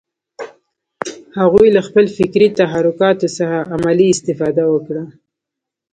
هغوی له خپلو فکري تحرکات څخه عملي استفاده وکړه